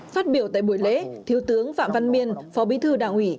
phát biểu tại buổi lễ thiếu tướng phạm văn miên phó bí thư đảng ủy